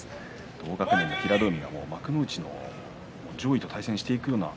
同学年の平戸海は、もう幕内の上位と対戦していくような。